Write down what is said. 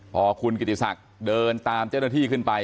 พอคุณกิติศักดิ์เดินตามเจ้าหน้าที่ขึ้นไป